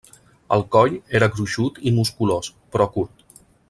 El coll era gruixut i musculós però curt.